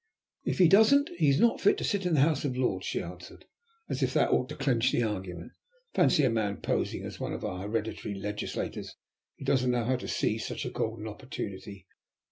"If he doesn't he is not fit to sit in the House of Lords," she answered, as if that ought to clinch the argument. "Fancy a man posing as one of our hereditary legislators who doesn't know how to seize such a golden opportunity.